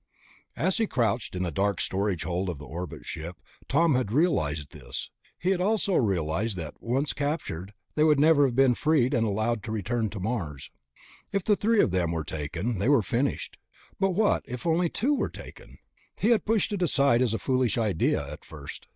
As he had crouched in the dark storage hold in the orbit ship, Tom had realized this. He had also realized that, once captured, they would never have been freed and allowed to return to Mars. If the three of them were taken, they were finished. But what if only two were taken? He had pushed it aside as a foolish idea, at first.